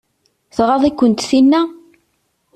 Tɣaḍ-iken tinna?